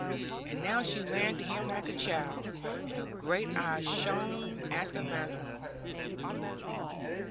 And now she ran to him like a child, and her great eyes shone at the lanthorn.